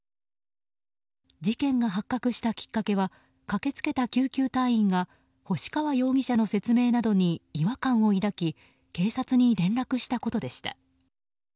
事件が発覚したきっかけは駆けつけた救急隊員が星川容疑者の説明などに違和感を抱き警察に連絡したことでした。